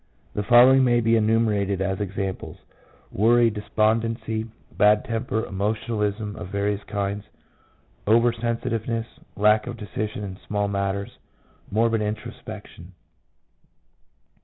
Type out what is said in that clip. The following may be enumerated as examples :— Worry, despondency, bad temper, emotionalism of various kinds, over sensitiveness, lack of decision in small matters, morbid introspection.